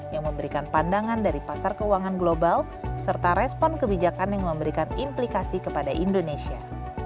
yang memberikan pandangan dari pasar keuangan global serta respon kebijakan yang memberikan implikasi kepada indonesia